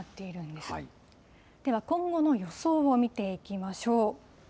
では、今後の予想を見ていきましょう。